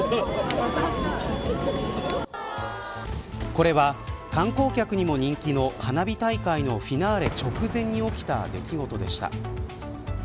これは観光客にも人気の花火大会のフィナーレ直前に起きた出来事でした。